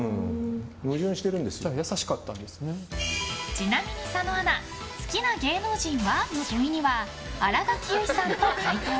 ちなみに、佐野アナ好きな芸能人は？という問いには新垣結衣さんと回答。